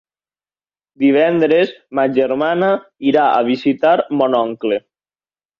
Divendres ma germana irà a visitar mon oncle.